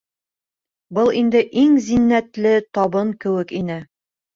Был инде иң зиннәтле табын кеүек ине.